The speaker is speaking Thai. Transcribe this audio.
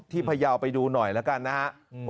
ที่พยาวไปดูหน่อยละกันนะฮะ